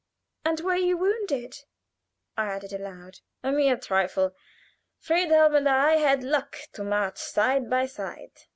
"And were you wounded?" I added aloud. "A mere trifle. Friedhelm and I had luck to march side by side.